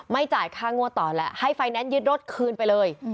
จ่ายค่างวดต่อแล้วให้ไฟแนนซ์ยึดรถคืนไปเลย